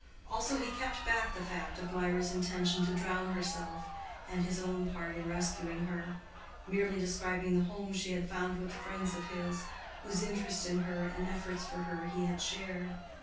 Also he kept back the fact of Mirah's intention to drown herself, and his own part in rescuing her; merely describing the home she had found with friends of his, whose interest in her and efforts for her he had shared.